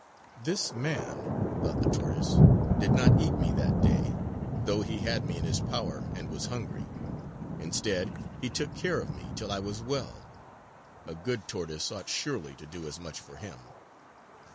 "This man," thought the tortoise, "did not eat me that day, though he had me in his power and was hungry. Instead, he took care of me till I was well. A good tortoise ought surely to do as much for him!"